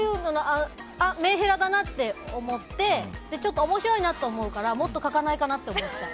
メンヘラだなって思って面白いなって思うからもっと書かないかなって思ってた。